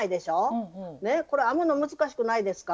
これ編むの難しくないですか？